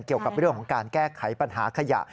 เกี่ยวกับเรื่องของการแก้ไขปัญหาขยะ